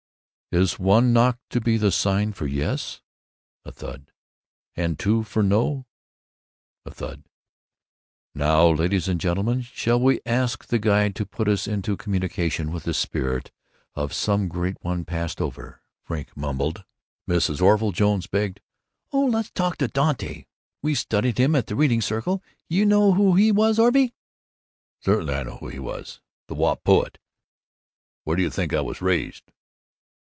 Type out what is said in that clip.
"Is one knock to be the sign for 'yes'?" A thud. "And two for 'no'?" A thud. "Now, ladies and gentlemen, shall we ask the guide to put us into communication with the spirit of some great one passed over?" Frink mumbled. Mrs. Orville Jones begged, "Oh, let's talk to Dante! We studied him at the Reading Circle. You know who he was, Orvy." "Certainly I know who he was! The Wop poet. Where do you think I was raised?"